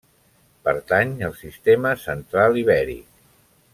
Pertany al sistema Central Ibèric.